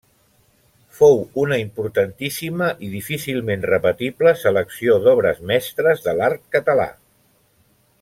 Fou una importantíssima i difícilment repetible selecció d'obres mestres de l'art català.